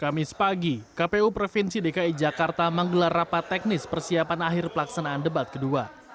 kamis pagi kpu provinsi dki jakarta menggelar rapat teknis persiapan akhir pelaksanaan debat kedua